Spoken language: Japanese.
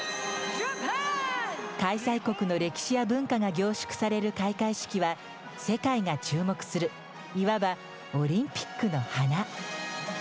開催国の歴史や文化が凝縮される開会式は世界が注目するいわばオリンピックの華。